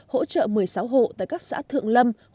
hỗ trợ một mươi sáu hộ tại các xã thượng lâm